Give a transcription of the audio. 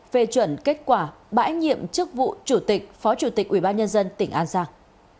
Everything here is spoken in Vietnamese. về chuẩn kết quả bãi nhiệm chức vụ chủ tịch phó chủ tịch ủy ban nhân dân tỉnh an giang